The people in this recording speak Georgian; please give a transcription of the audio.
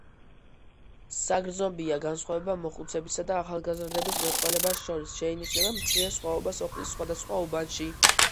საგრძნობია განსხვავება მოხუცებისა და ახალგაზრდების მეტყველებას შორის, შეინიშნება მცირე სხვაობა სოფლის სხვადასხვა უბანში.